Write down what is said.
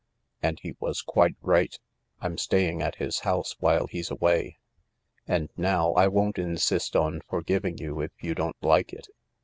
And he was quite right. I'm staying at his house while he's away. And now, I won't insist on forgiving you if you don't like it.